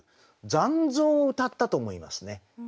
残像をうたったと思いますね。